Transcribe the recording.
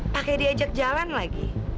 pakai diajak jalan lagi